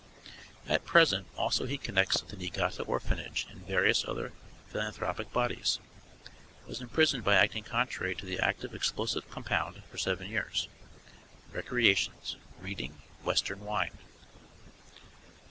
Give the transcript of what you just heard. At present also he connects with the Niigata Orphanage and various other philanthropic bodies. Was imprisoned by acting contrary to the act of explosive compound for seven years. Recreations: reading, Western wine.